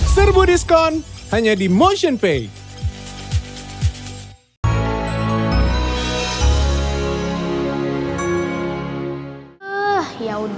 serbu diskon hanya di motionpay